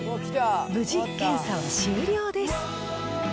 無事、検査は終了です。